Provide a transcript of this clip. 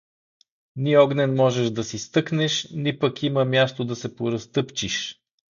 Ни огнен, можеш да си стъкнеш, ни пък има място да се поразтъпчиш.